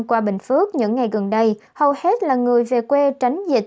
qua bình phước những ngày gần đây hầu hết là người về quê tránh dịch